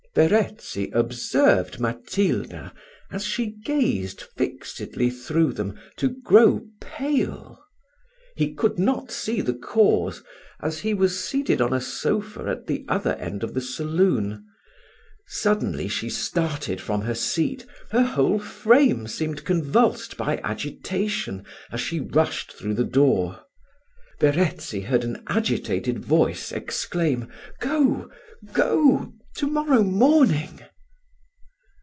Verezzi observed Matilda, as she gazed fixedly through them, to grow pale. He could not see the cause, as he was seated on a sofa at the other end of the saloon. Suddenly she started from her seat her whole frame seemed convulsed by agitation, as she rushed through the door. Verezzi heard an agitated voice exclaim, "Go! go! to morrow morning!"